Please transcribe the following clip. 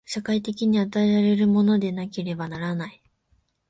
社会的に与えられるものでなければならない。